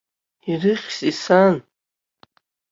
Ирыхьзеи, сан?